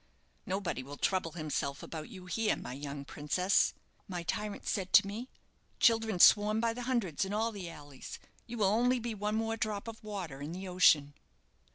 'Nobody will trouble himself about you here, my young princess,' my tyrant said to me. 'Children swarm by hundreds in all the alleys; you will only be one more drop of water in the ocean.'"